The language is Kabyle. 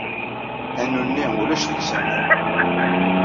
Anu-nni ulac deg-s aman.